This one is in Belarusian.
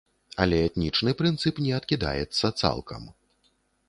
Але этнічны прынцып не адкідаецца цалкам.